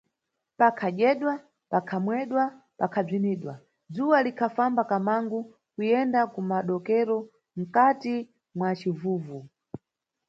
Pakhadyedwa, pakhamwedwa pakhabzinidwa, dzuwa likhafamba kamangu, kuyenda ku madokero, mkati mwa civuvu.